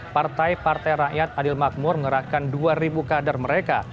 partai partai rakyat adil makmur mengerahkan dua kader mereka